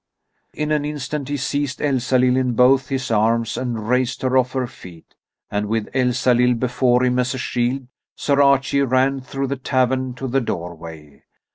In an instant he seized Elsalill in both his arms and raised her off her feet. And with Elsalill before him as a shield Sir Archie ran through the tavern to the doorway.